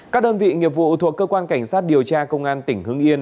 các đơn vị nghiệp vụ thuộc cơ quan cảnh sát điều tra công an tỉnh hưng yên